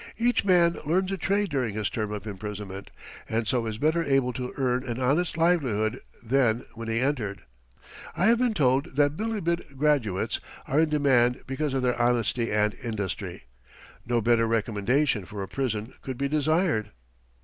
Each man learns a trade during his term of imprisonment, and so is better able to earn an honest livelihood than when he entered. I have been told that Bilibid "graduates" are in demand because of their honesty and industry. No better recommendation for a prison could be desired.